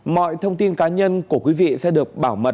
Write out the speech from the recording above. mọi thông tin cá nhân của quý vị sẽ được bảo mật